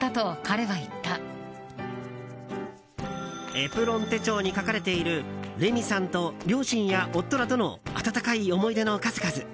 「エプロン手帖」に書かれているレミさんと両親や夫らとの温かい思い出の数々。